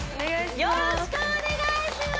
よろしくお願いします！